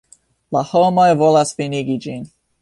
La homoj volas finigi ĝin.